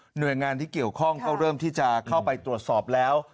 หน่วยงานที่เกี่ยวข้องก็เริ่มที่จะเข้าไปตรวจสอบแล้ว